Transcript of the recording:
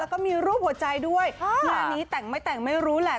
แล้วก็มีรูปหัวใจด้วยงานนี้แต่งไม่แต่งไม่รู้แหละ